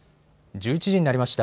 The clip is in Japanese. １１時になりました。